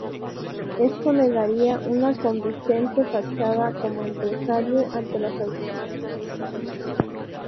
Esto le daría una "convincente fachada" como empresario ante las autoridades británicas.